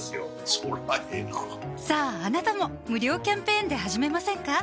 そりゃええなさぁあなたも無料キャンペーンで始めませんか？